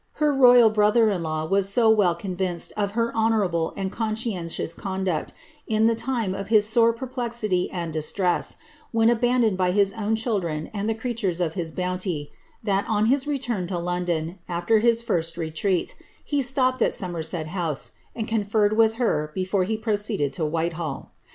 Her royal brother in law was so well convinced of her honourable and conscientious conduct in the time of his sore perplexity and distress, when abandoned by his own children and the creatures of his bounty, that, on his return to London, afUr his first retreat, he stopped at Somerset House, and conferred with her before he proceeded to Whitehall.